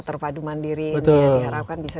terpadu mandiri yang diharapkan bisa